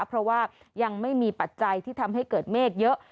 เพราะว่ายังไม่มีปัจจัยที่ทำให้เกิดเมฆเยอะ